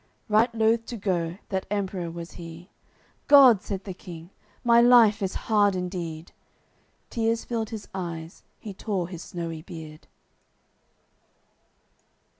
Right loth to go, that Emperour was he: "God!" said the King: "My life is hard indeed!" Tears filled his eyes, he tore his snowy beard.